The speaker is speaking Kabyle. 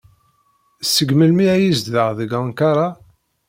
Seg melmi ay yezdeɣ deg Ankara?